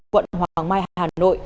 quận năm tử liêm